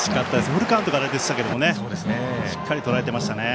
フルカウントからでしたがしっかりとらえてましたね。